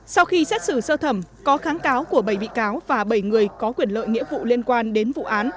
sau khi xét xử sơ thẩm có kháng cáo của bảy bị cáo và bảy người có quyền lợi nghĩa vụ liên quan đến vụ án